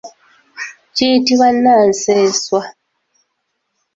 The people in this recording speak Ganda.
Kiyitibwa nnassenswa.